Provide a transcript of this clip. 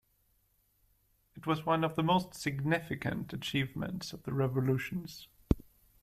It was one of the most significant achievements of the revolutions.